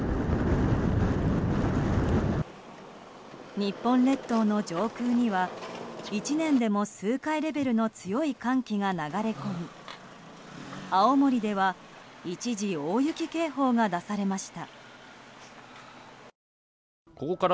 日本列島の上空には１年でも数回レベルの強い寒気が流れ込み青森では、一時大雪警報が出されました。